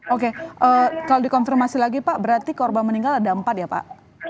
oke kalau dikonfirmasi lagi pak berarti korban meninggal ada empat ya pak